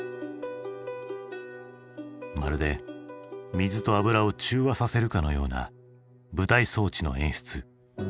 まるで水と油を中和させるかのような舞台装置の演出。